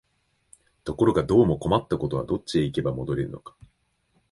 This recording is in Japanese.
ところがどうも困ったことは、どっちへ行けば戻れるのか、